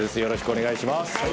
お願いします。